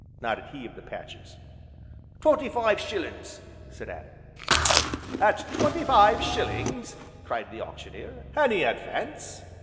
nodded he of the patches. "Twenty five shillin's!" said Adam. "At twenty five shillings!" cried the Auctioneer, "any advance?